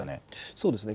そうですね。